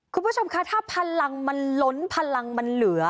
คุณผู้ชมคะถ้าพลังมันล้นพลังมันเหลือ